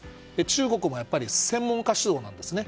中国も専門家主導なんですね。